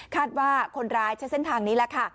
ว่าคนร้ายใช้เส้นทางนี้แหละค่ะ